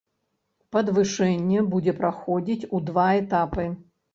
Падвышэнне будзе праходзіць у два этапы.